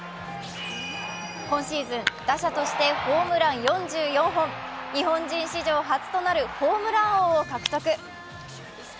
今シーズン、打者としてホームラン４４本、日本人史上初となるホームラン王を獲得。